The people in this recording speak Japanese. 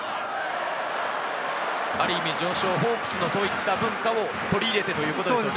ある意味、常勝ホークスのそういった文化を取り入れてということですかね。